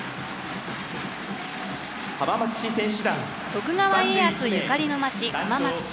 徳川家康ゆかりの町浜松市。